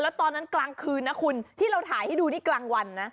แล้วตอนนั้นกลางคืนนะคุณที่เราถ่ายให้ดูนี่กลางวันนะ